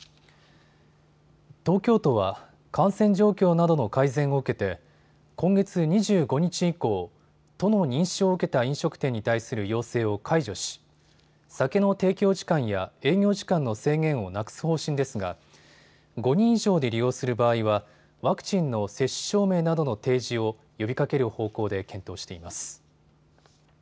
東京都は感染状況などの改善を受けて今月２５日以降、都の認証を受けた飲食店に対する要請を解除し酒の提供時間や営業時間の制限をなくす方針ですが５人以上で利用する場合はワクチンの接種証明などの提示を呼びかける方向で検討しています。